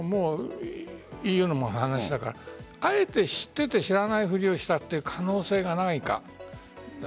ＥＵの話だからあえて知っていて知らないふりをした可能性がないか。